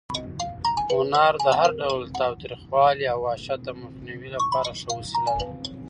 هنر د هر ډول تاوتریخوالي او وحشت د مخنیوي لپاره ښه وسله ده.